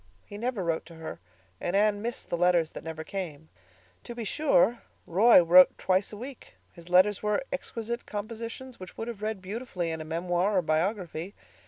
He never wrote to her, and Anne missed the letters that never came. To be sure, Roy wrote twice a week; his letters were exquisite compositions which would have read beautifully in a memoir or biography.